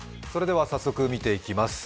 早速見ていきます。